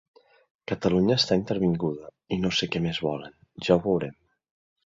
Catalunya està intervinguda i no sé què més volen, ja ho veurem.